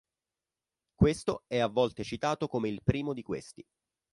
Questo è a volte citato come il primo di questi.